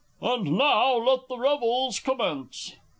_ And now, let the Revels commence.